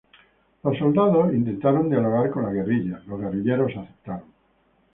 Los soldados intentaron dialogar con la guerrilla, los guerrilleros aceptaron.